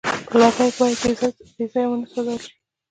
لرګی باید بېځایه ونه سوځول شي.